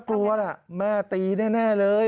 กลัวล่ะแม่ตีแน่เลย